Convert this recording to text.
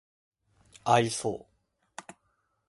愛想